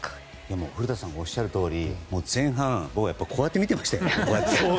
古田さんがおっしゃるとおり前半、こうやって見てました。